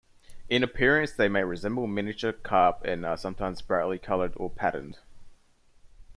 In appearance they may resemble miniature carp and are sometimes brightly coloured or patterned.